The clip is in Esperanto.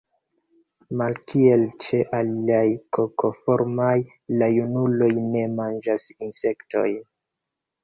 Malkiel ĉe aliaj kokoformaj, la junuloj ne manĝas insektojn.